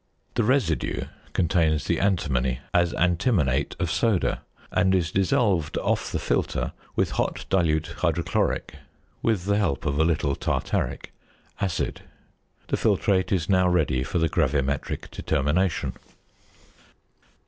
The residue contains the antimony as antimonate of soda, and is dissolved off the filter with hot dilute hydrochloric, with the help of a little tartaric, acid. The filtrate is now ready for the gravimetric determination.